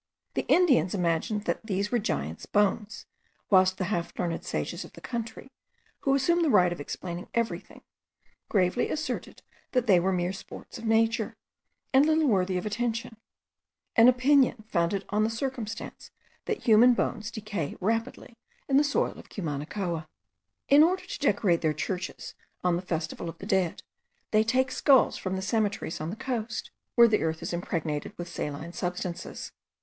The Indians imagined that these were giants' bones; whilst the half learned sages of the country, who assume the right of explaining everything, gravely asserted that they were mere sports of nature, and little worthy of attention; an opinion founded on the circumstance that human bones decay rapidly in the soil of Cumanacoa. In order to decorate their churches on the festival of the dead, they take skulls from the cemeteries on the coast, where the earth is impregnated with saline substances.